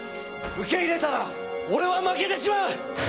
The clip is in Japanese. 受け入れたら俺は負けてしまう！